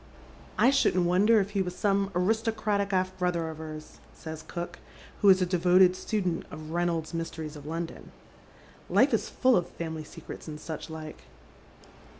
" I shouldn't wonder if he was some haristocratic arf brother of ers," says cook, who is a devoted student of ' Reynolds's Mysteries of London.' " Life is full of family secrets and such Uke."